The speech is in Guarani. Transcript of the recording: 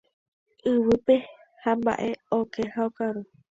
Yvýpe hamba'e oke ha okaru.